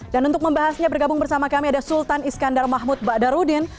dan untuk membahasnya bergabung bersama kami ada sultan iskandar mahmud ba'darudin